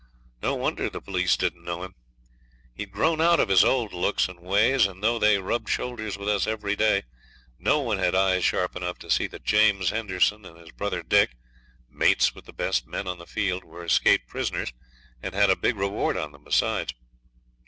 No wonder the police didn't know him. He had grown out of his old looks and ways; and though they rubbed shoulders with us every day, no one had eyes sharp enough to see that James Henderson and his brother Dick mates with the best men on the field were escaped prisoners, and had a big reward on them besides.